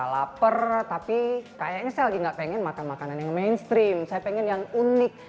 lapar tapi kayaknya saya lagi gak pengen makan makanan yang mainstream saya pengen yang unik